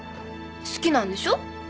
好きなんでしょ？